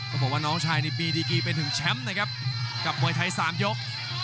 บอกว่าน้องชายนี่มีดีกีไปถึงแชมป์นะครับกับมวยไทย๓ยก